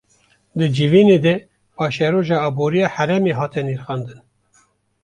Di civînê de paşeroja aboriya herêmê hate nirxandin